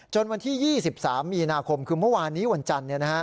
วันที่๒๓มีนาคมคือเมื่อวานนี้วันจันทร์